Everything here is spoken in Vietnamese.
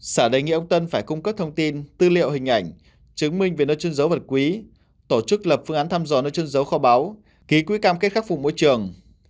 sở đề nghị ông tân phải cung cấp thông tin tư liệu hình ảnh chứng minh về nơi trượn dấu vật quý tổ chức lập phương án thăm dò nơi chân dấu kho báo ký quỹ cam kết khắc phục môi trường